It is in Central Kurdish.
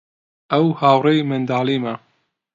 ئەو هاوڕێی منداڵیمە.